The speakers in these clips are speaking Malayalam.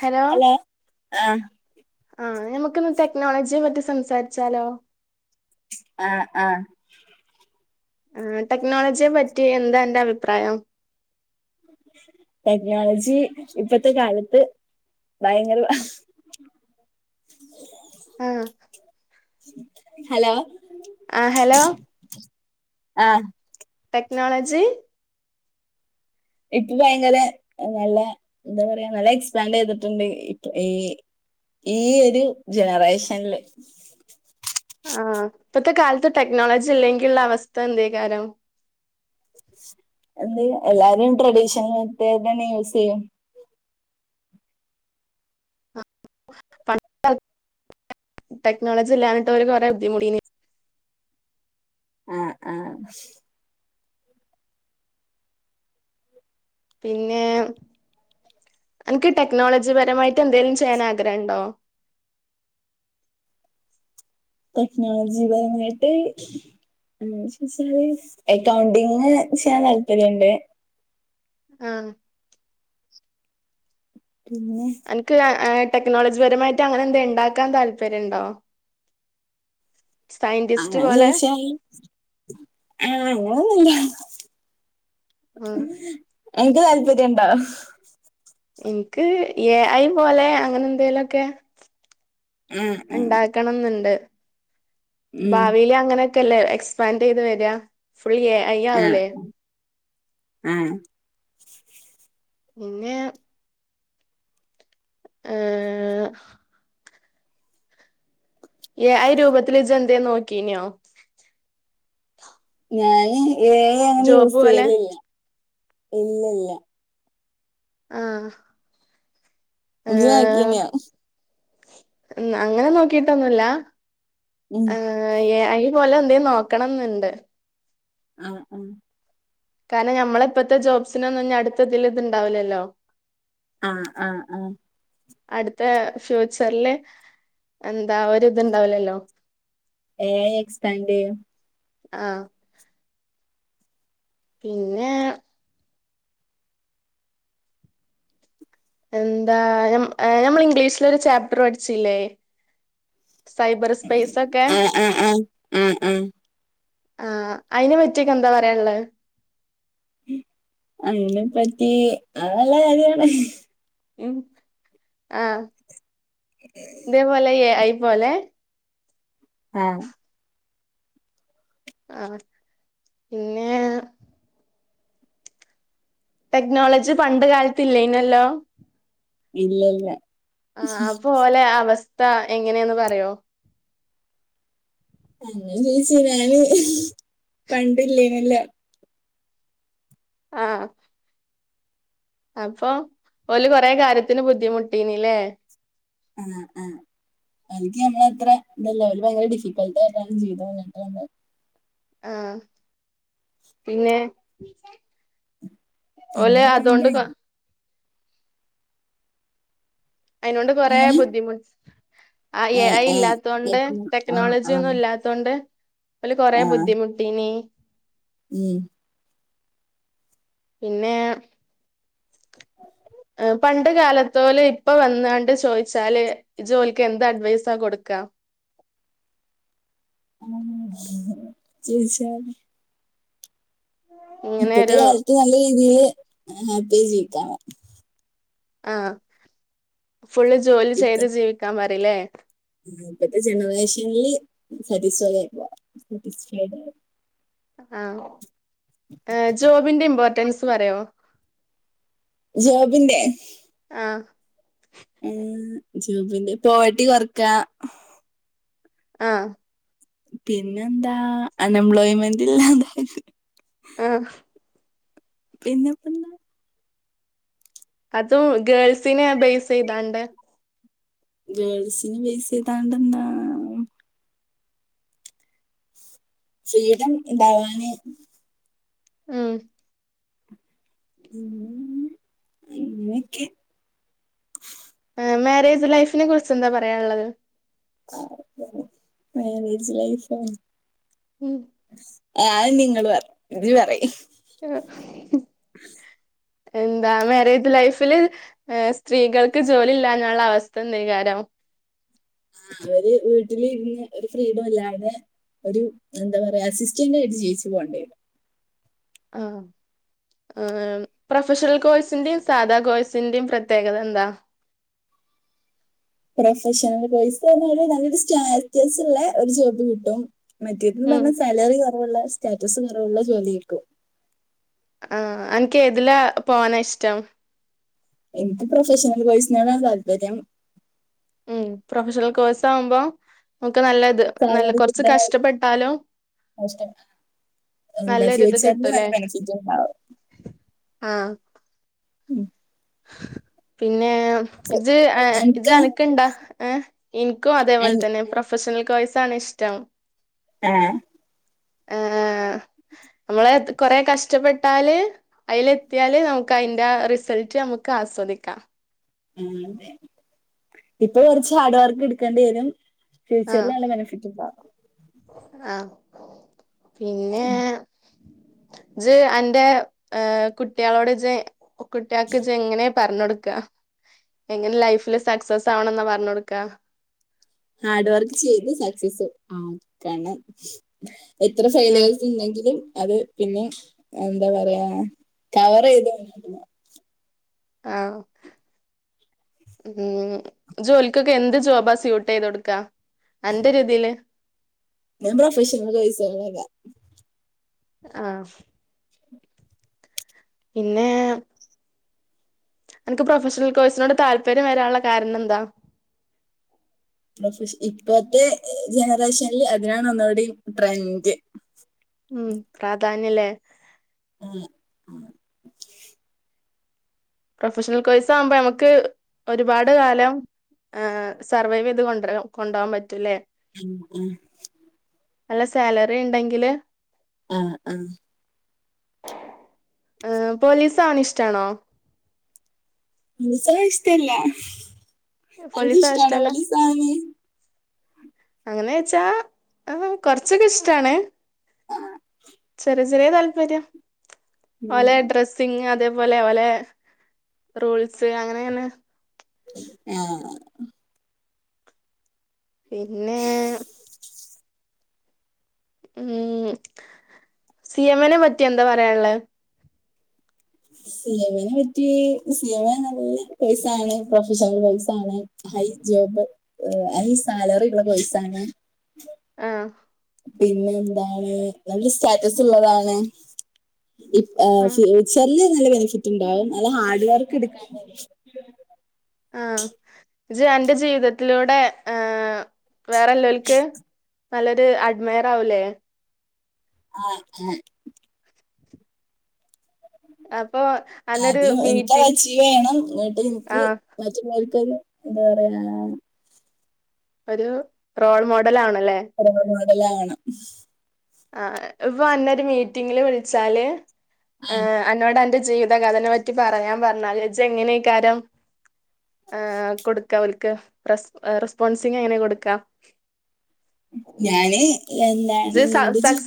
ഹലോ ആഹ് ആഹ് നമുക്കിന്ന് ടെക്നോളജിയെ പറ്റി സംസാരിച്ചാലോ ആഹ് ആഹ് ആഹ് ടെക്നോളജിയെ പറ്റി എന്താ അന്റെ അഭിപ്രായം [inaudible] ടെക്നോളജി ഇപ്പത്തെ കാലത്ത് ഭയങ്കര [inaudible] ഹലോ ആഹ് ഹലോ ആഹ് ടെക്നോളജി ഇപ്പ ഭയങ്കര നല്ല എന്താ പറയാ നല്ല എക്സ്പാൻഡ് ചെയ്തിട്ടിണ്ട് ഇപ്പ ഈ ഈ ഒരു ജനറേഷൻൽ ആഹ് ഇപ്പത്തെ കാലത്ത് ടെക്നോളജി ഇല്ലെങ്കിലുള്ള അവസ്ഥ എന്തേക്കാരം [inaudible] എന്ത് എല്ലാരും ട്രഡീഷണൽ [unintelligible] തന്നെ യൂസ് ചെയ്യും [unintelligible] ടെക്നോളജി ഇല്ലാനിട്ടവര് കൊറേ ബുദ്ധിമുട്ടീനി ആഹ് ആഹ് പിന്നേ അനക്ക് ടെക്നോളജിപരമായിട്ട് എന്തേലും ചെയ്യാൻ ആഗ്രഹം ഇണ്ടോ ടെക്നോളജിപരമായിട്ട് [unintelligible] എക്കൗണ്ടിംഗ് ചെയ്യാൻ താല്പര്യവൊണ്ട് ആഹ് പിന്നെ അനക്ക് ആഹ് ടെക്നോളജിപരമായിട്ട് അങ്ങനെ എന്തെ എണ്ടാക്കാൻ താല്പര്യണ്ടോ സയന്റിസ്റ്റ് അങ്ങനെ പോലെ ചോയ്ച്ചായി ആഹ് അങ്ങനൊന്നുല്ല ആഹ് അനക്ക് താല്പര്യണ്ടാ എനിക്ക് എ ഐ പോലെ അങ്ങനെ എന്തേലൊക്കെ ആഹ് ആഹ് ഇണ്ടാ ക്കണംന്നിണ്ട് ഉം ഭാവീലങ്ങനെ ക്കല്ലേ എക്സ്പാൻഡ് ചെയ്ത് വര്യ ഫ്രീയ് ആഹ് ആഹ് പിന്നേ ഏഹ് എ ഐ രൂപത്തില് ഇജ്ജ് എന്തേ നോക്കീനോ ഞാന് എ ഐ അങ്ങനെ ജോബ് യൂസ് പോലെ ചെയ്യലില്ല ഇല്ലില്ല ആഹ് ഇജ്ജ് ഏഹ് നോക്കീനിയോ അങ്ങനെ നോക്കിട്ടൊന്നുല്ല ഉം എഹ് എ ഐ പോലെ എന്തേ നോക്കണന്നിണ്ട് അഹ് ആഹ് കാരണം ഞമ്മള ഇപ്പഴത്തെ ജോബ്സിനൊന്നും ഇനി അടുത്തതില് ഇതിണ്ടാവില്ലല്ലോ ആഹ് ആഹ് ആഹ് അടുത്ത ഫ്യൂച്ചറില് എന്താ ഒരിത്ണ്ടാവൂലല്ലോ എ ഐ എക്സ്പ്പാന്റെയ്യും ആഹ് പിന്നെ എന്താ ഞമ്മള് ഇംഗ്ലീഷിലൊരു ചാപ്റ്റർ പഠിച്ചില്ലേ? സൈബർ സ്പേസൊക്കെ? ആഹ് ആഹ് ഉം ഉം ആഹ് അയിനെ പറ്റിയൊക്കെന്താ പറയാള്ളത്? അയിനെ പറ്റി അത് നല്ല കാര്യാണ് ഉം ആഹ് ഇതേപോലെ എ ഐ പോലെ ആഹ് ആഹ് പിന്നെ ടെക്നോളജി പണ്ട് കാലത്ത് ഇല്ലേനിയല്ലോ? ഇല്ലല്ല ആ അപ്പോലെ അവസ്ഥ എങ്ങനേന്ന് പറയോ? അങ്ങനെ ചോയ്ച്ച ഞാന് പണ്ടില്ലേനിയല്ലേ ആഹ് അപ്പം ഓല് കൊറേ കാര്യത്തിന് ബുദ്ധിമുട്ടീന്ല്ലേ? ആഹ് ആഹ് ഓൽക്ക് ഞമ്മളത്ര ഇതല്ല ഓല് ഭയങ്കര ഡിഫിക്കൾട്ടായിട്ടാണ് ജീവിതം മുന്നോട്ട് കൊണ്ടോയത് ആഹ് പിന്നെ ഓല് പിന്നെപ്പെന്താ അതോണ്ട് കൊ അയിനോണ്ട് കൊറേ എങ്ങനെ ബുദ്ധിമുട്ട് എ ആഹ് ഐ ആഹ് ഇല്ലാത്തോണ്ട് ആഹ് ടെക്നോളജിയൊന്നും ആഹ് ഇല്ലാത്ത ഇല്ലാത്തോണ്ട് ഓല് കൊറേ ആഹ് ബുദ്ധിമുട്ടീനി. ഉം പിന്നേ പണ്ട് കാലത്തോല് ഇപ്പൊ വന്നാണ്ട് ചോയ്ച്ചാല്. ഇജോൽക്ക് എന്ത്‌ അഡ്വൈസാ കൊടുക്കാ? അങ്ങനൊക്കെ [unintelligible] ചോയ്ച്ചാൽ ഇങ്ങനെ ഇപ്പത്തെ ഒരു കാലത്ത് നല്ല രീതിയില് ഹാപ്പി ആയി ജീവിക്കാം പറയ് ആഹ് ഫുള്ള് ജോലി ചെയ്ത് ജീവിക്കാൻ പറിലേ? ആ ഇപ്പത്തെ ജനറേഷൻല് സറ്റിസ്ഫൈ ആയി നിക്കാ [unintelligible] ആ ജോബിന്റെ ഇമ്പോർട്ടൻസ് പറയാവോ? ജോബിന്റെ? ആഹ്. ജോബിന്റെ പോവർട്ടി കൊർക്കാ ആഹ്. പിന്നെന്താ അൺഎംപ്ലോയ്മെന്റ് ഇത് ആഹ്. പിന്നെപ്പന്താ? അത്രൊള്ളു ഗേൾസിനെ ബേസെയ്താണ്ട്. ഗേൾസിന് ബേസെയ്താണ്ടെന്താ? ഫ്രീഡം ഇണ്ടാകാന്. ഉമ് ഉം ഇങ്ങനൊക്കെ. ആഹാ മാരേജ് ലൈഫിനെ കുറിച്ച് എന്താ പറയാനുള്ളത്? ആഹ മാരേജ് ലൈഫോ? ഉം ആഹ നിങ്ങള് പറ ഇജ് പറയ് എന്താ മാരേജ് ലൈഫില്. ഏ സ്ത്രീകൾക്ക് ജോലി ഇല്ലഞാലുള്ള അവസ്ഥ എന്തക്കാരം. ആഹ അവര് വീട്ടിലിരുന്ന് ഒരു ഫ്രീഡം ഇല്ലാതെ. ഒരു എന്താ പറയാ അസിസ്റ്റന്റ് ആയിട്ട് ജീവിച്ച് പോണ്ടി വരും. ആഹ്. പ്രൊഫഷണൽ കോഴ്സിന്റെയും സാധാ കോഴ്സിന്റെയും പ്രത്യേകത എന്താ? പ്രൊഫഷണൽ കോഴ്സ് എന്ന് പറഞ്ഞാൽ നല്ലൊരു സ്റ്റാടസ് ള്ള ഒരു ജോബ് കിട്ടും. മറ്റേട്ത് ന്ന് ഉം പറഞ്ഞ സാലറി കുറവുള്ള സ്റ്റാറ്റസ് കുറവുള്ള ജോലി ആയി രിക്കും. ആഹ അൻക്ക് എതില പോവാന ഇഷ്ടം. ഇൻക്ക് പ്രൊഫഷണൽ കോഴ്സിനോടാ താല്പര്യം. ഉം പ്രൊഫഷണൽ കോഴ്സ് ആവുമ്പോ നമുക്ക് നല്ലത്. നല്ല സാലറി കൊറച്ച് കൂടുതലാണ് കഷ്ടപ്പെട്ടാലും. ഇഷ്ടം എന്താ ഫ്യൂച്ചറിന് നല്ല ബെനിഫിറ്റ് ഉണ്ടാവും ആഹ ഉം പിന്നെ ഇജ് ഇജ് എനിക്ക് എനക്ക് ഇണ്ടാ ഏ എനിക്കും അതേപോലെ എനി- തന്നെ പ്ര പ്രൊഫഷണൽ കോയ്സണ് ഇഷ്ടം ആഹ ആഹ നമ്മളെ കൊറെ കഷ്ടപ്പെട്ടാല് അതിൽ എത്തിയാല് നമുക്ക് അതിന്റെ റിസൾട്ട് നമുക്ക് ആസ്വദിക്കാം ഉ ഇപ്പൊ കുറച്ച് ഹാർഡ് വർക്ക് എടുക്കേണ്ടി വരും ഫ്യൂച്ചറിൽ നല്ല ബെനിഫിറ്റ് ഉണ്ടവും ആഹ പിന്നെ ഇജ് എന്റെ ഏ കുട്ടികളോട് ജ് കുട്ടികൾക്ക് ജ് എങ്ങനെ പറഞ്ഞൊടുക്ക എങ്ങനെ ലൈഫില് സക്സസ് ആവണം എന്നാ പറഞ് കൊടുക്ക ഹാർഡ് വർക്ക് ചെയ്ത് സക്സസ് ആക്കണം എത്ര ആഹ് ഫൈലേസ് ഉണ്ടെങ്കിലും അത് പിന്നെ എന്താ പറയാ കവർ ചെയത് വന്നി ആഹ് ഉം ജോലിക്കൊക്കെ എന്ത് ജോബാ സ്യൂട്ട് ചെയ്ത് കൊടുക്കാ അന്റെ ഒരു ഇതില് ഞൻ പൊഫഷനൽ കോഴ്സ് [inaudible] ആഹ പിന്നെ അനക്ക് പ്രൊഫഷണൽ കോഴ്സിനോട് താല്പര്യം വരാനുള്ള കാരണം എന്താ പ്രൊഫ ഇപ്പത്തെ ജനറേഷനിൽ അതിനാണ് ഒനുടെ ട്രെൻഡ് ഉം പ്രാധാന്യല്ലേ ആഹാ മ് പ്രൊഫഷണൽ കോഴ്സആകുമ്പോ നമുക്ക് ഒരുപാട് കാലം ആഹ് സർവൈവെയ്ത് കൊണ്ട്ര കൊണ്ടോആൻ പറ്റുല്ലെ ഉം ഉം അല്ല സാലറിണ്ടെങ്കില് ആഹ് ആഹ് ഹ് പോലീസാവണെ ഇഷ്ടാണോ? [unintelligible] ഇഷ്ടല്ല പോലീസ് ആവാൻ അൻകിഷ്ട്ടാണോ ഇഷ്ടല്ല പോലീസാവ്ന്നെ അങ്ങനെച്ചാ ആ കൊർച്ചൊക്കെ ഇഷ്ടാണ് ചെറിയ ചെറിയ താല്പര്യം ഓലെ ഡ്ര പിന്നെ അതേപോലെ ഓലെ റൂൾസ് അങ്ങനെയാണ്. ഏഹ് പിന്നേ ഏഹ് സി എമ്മിനെ പറ്റി എന്താ പറയാൻള്ളെ സി എമ്മിനെ പറ്റി സി എം നല്ല കൊയ്സാണ് പ്രൊഫഷണൽ കൊയ്സാണ് ഹൈ ജോബ് ഹൈ സാലറിള്ള പൈസാണ് ആഹ് പിന്നെ എന്താണ് നല്ല സ്റ്റാറ്റസ് ള്ളതാണ് ഫ്യൂച്ചർല്ല് നല്ല ബെനിഫിറ്റ് ണ്ടാവും നല്ല ഹാർഡ് വർക്ക് എടുക്കാൻ [unintelligible] ആഹ് ജ്ജ് അന്റ ജീവിതത്തിലൂടെ ഏ വേറെല്ലോൽക്ക് നല്ലൊരു അഡ്മയർ ആവൂല്ലേ? ആഹ് ആഹ് അപ്പൊ അന്നൊരു ആദ്യം മീറ്റിംഗ് എനിക്കച്ചീവയ്യണം ന്നട്ട് ൻക്ക് ആഹ് മറ്റുള്ളവർക്കൊരു എന്താ പറയ ഒരു റോൾ മോഡൽ ആണല്ലേ [unintelligible] മോഡലാണ് ആ ഇപ്പൊ അന്നൊരു മീറ്റിങ്ങില് വിളിച്ചാല് ആ ഏഹ് അന്നോടന്റെ ജിവ് ത കഥനെ പറ്റി പറയാൻ പറഞ്ഞാല് ഇജെങ്ങനെയ്ക്കാരം. ഏഹ് കൊടുക്ക ഓൽക്ക് റസ് എഹ് റെസ്പോൺസിങ് എങ്ങനെ കൊടുക്കാ? ഞാന് എന്താണ് ഇന്റെ ജീ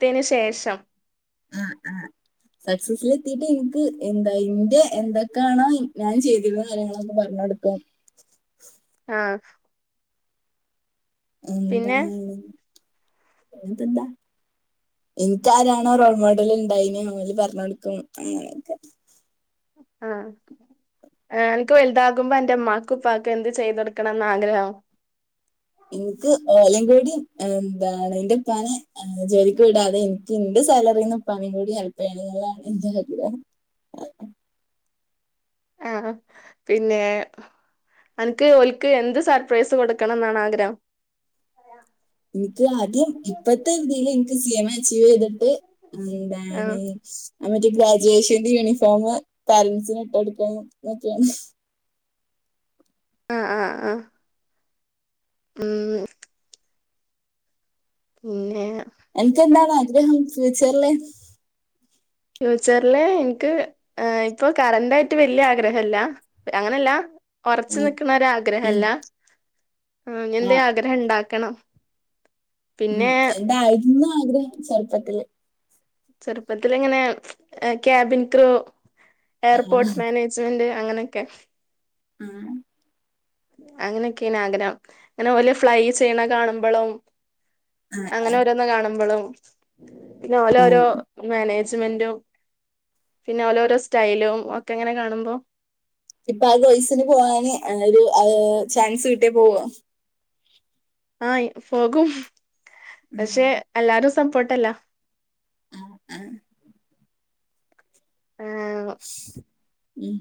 ത്തിന് ശേഷം. [inaudible] സക്സസിലെത്തിട്ട് ഇൻക്ക് എന്താ ഇന്റെ എന്തൊക്കാണോ ഇ ഞാൻ ചെയ്തിരുന്ന്. കാര്യങ്ങളൊക്കെ പറഞടുക്കും. ആഹ്. പിന്നെ എന്താണ് അയ്‌ന്പ്പന്താ. ഇൻക്കാരാണോ റോൾ മോഡല് ഇണ്ടായിനി ഓലിം പറഞ്ഞടുക്കും അങ്ങനൊക്കെ. ആഹ്. ആഹ് അൻക്ക് വലുതാകുമ്പോ അന്റെ ഇമ്മാക്കുപ്പാക്കും ഉപ്പാക്കും എന്ത് ചെയ്തൊടുക്കണംന്ന ആഗ്രഹം. ഇൻക്ക് ഏഹ് എവടിം എന്താണ് ഇന്റെപ്പാനെ. ആഹ് ജോലിക്ക് വിടാതെ എനിക്ക് ഇന്റെ സാലറിന്ന്പ്പാനിം കൂടി ഹെൽപ്യ്യണന്നുള്ളതാണ് എന്റെ ആഗ്രഹം. [inaudible] ആഹ് ഹ പിന്നെ. അൻക്ക് ഓൽക്ക് എന്ത് സർപ്രൈസ് കൊടുക്കണം ന്നാണ് ആഗ്രഹം? ഇനിക്ക് ആദ്യം ഇപ്പത്തെ ഇതില് എനിക്ക് സി എം എ അച്ചീവീത്. ത് ആഹ് എന്താണ് ആ മറ്റേ ഗ്രാജേഷൻ. യൂണിഫോമ് പാരൻസിനിട്ടെടുക്കണംന്നൊക്കെയാണ്. ആഹ് ആഹ് ആഹ്. ഉം. പിന്നെ. എൻകെന്താണ് ആഗ്രഹം ഫ്യൂച്ചറില്? ഫ്യൂച്ചറില് എനിക്ക് ഇപ്പൊ കറന്റായിട്ട് വല്യേ ആഗ്രഹല്ല. അങ്ങനെല്ലാ. ഒറച് നിക്കണ ഒരാഗ്രഹല്ല അങേനന്തേ ആഗ്രഹം ഇണ്ടാക്കണം. ഉം എന്തായിരുന്നു ആഗ്രഹം ചെരുപ്പത്തില്. ചെറുപ്പത്തിലിങ്ങനെ ക്യാബിൻ ക്രൂ ആ, ഏർപോർട്ട് മാനേ ജ്മെന്റ് അങ്ങനൊക്കെ. ആഹ്. അങ്ങനൊക്കെണാഗ്രഹം ഇങ്ങനെ വല്യേ ഫ്ലൈ ചെയ്യണ കാണുമ്പളും. ആ. അങ്ങനോരോന്ന് കാണുമ്പളും പിന്നെ ഓലെ ഓരോ. മാനേജ്മെന്റും പിന്നെ ഓലോരോ സ്റ്റൈലും ഒക്കെങ്ങനെ കാണുമ്പോ. ഇപ്പൊ ആ കോയ്സിന് പോവാന് ഒരു ചാൻസ് കിട്യാ പോവോ? ആഹ് പോകും പക്ഷെ എല്ലാരും സപ്പോർട്ടല്ല. ആഹ് ആഹ്. ഉം.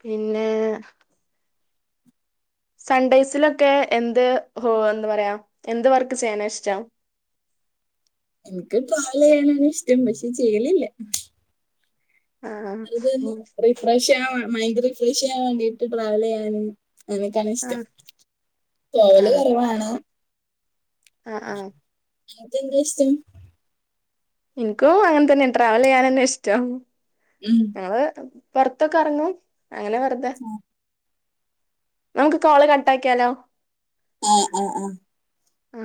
പിന്നെ. സൺഡേയ്സിലൊക്കെ എന്ത് ഹോ എന്താ പറയാ എന്ത് വർക്ക് ചെയ്യാനാഷ്ടം. ഇനിക്ക് ട്രാവൽ ചെയ്യാനാണന്നെഷ്ടം പക്ഷെ ചെയ്യലില്ല. ആഹ് അതന്ന് റിഫ്രഷ്യാവാൻ മൈൻഡ് റിഫ്രഷവാൻ വേണ്ടീട്ട് ട്രാവലിയ്യാന്. എനിക്കാണ് ഇഷ്ടം ആഹ് പോവല് ആഹ് കൊറവാണ്. ആഹ് ആഹ്. അൻക്കെന്ത ഇഷ്ടം. ഇനിക്കും അങ്ങനത്തന്നെ ട്രാവലിയ്യാനന്നെ ഇഷ്ടം. ഉം. ങ്ങള് പൊറത്തൊക്കെ അറങ്ങും അങ്ങനെ വെറുത. നമുക്ക് കോള് കട്ടാക്കിയാലോ ആഹ് ആഹ് ആഹ് ആ